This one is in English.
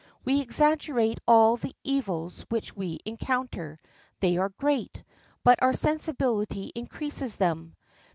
We exaggerate all the evils which we encounter; they are great, but our sensibility increases them.